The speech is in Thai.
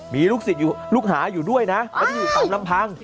มีลูกศิษย์ลูกหาอยู่ด้วยนะไม่ได้อยู่ต่ำลำพัง